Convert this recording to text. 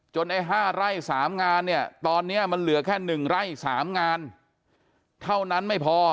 ไอ้๕ไร่๓งานเนี่ยตอนนี้มันเหลือแค่๑ไร่๓งานเท่านั้นไม่พอ